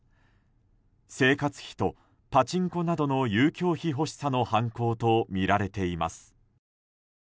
生活費とパチンコなどの遊興費欲しさの犯行とみられています。